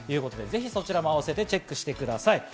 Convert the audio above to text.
ぜひ、そちらも合わせてチェックしてください。